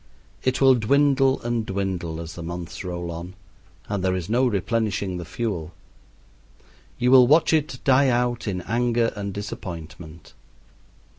It will dwindle and dwindle as the months roll on, and there is no replenishing the fuel. You will watch it die out in anger and disappointment.